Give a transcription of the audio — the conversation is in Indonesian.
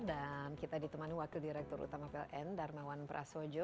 dan kita ditemani wakil direktur utama pln darmawan prasojo